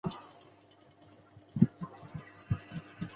也因黄河在咸丰五年的大改道而衰败。